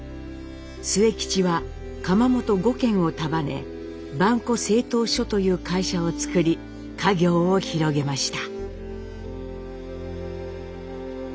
末吉は窯元５軒を束ね「萬古製陶所」という会社を作り家業を広げました。